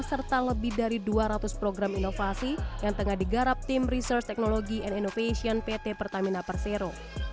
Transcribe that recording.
serta lebih dari dua ratus program inovasi yang tengah digarap tim research technology and innovation pt pertamina persero